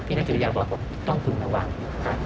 ที่นักจิตวิญญาณบอกว่าต้องคุณระวังครับ